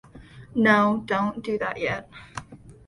No, don't do that yet.